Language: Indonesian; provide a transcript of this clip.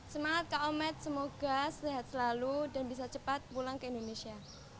semangat kak omet semoga sehat selalu dan bisa cepat pulang ke indonesia